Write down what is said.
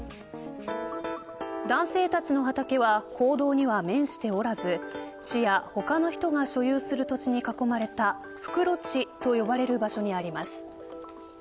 男性たちの畑は公道には面しておらず市や他の人が所有する土地に囲まれた袋地と呼ばれる場所にあります。